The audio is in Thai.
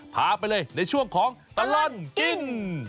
พาไปเลยในช่วงของตลอดกิน